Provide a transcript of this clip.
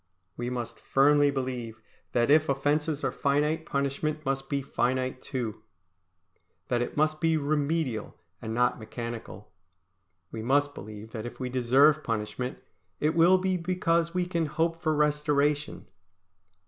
We must firmly believe that if offences are finite, punishment must be finite too; that it must be remedial and not mechanical. We must believe that if we deserve punishment, it will be because we can hope for restoration.